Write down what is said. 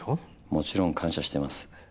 もちろん感謝してます。